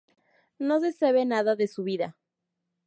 No se sabe nada de su vida.